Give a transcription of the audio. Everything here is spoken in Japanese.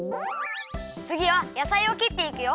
つぎはやさいをきっていくよ。